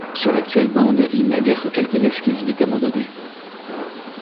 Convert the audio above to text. Sur l'actuelle bande, il n'a guère que quelques esquisses vite abandonnées...